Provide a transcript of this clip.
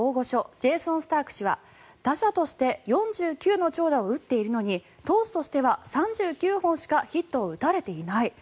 ジェーソン・スターク氏は打者として４９の長打を打っているのに投手としては３９本しかヒットを打たれていない。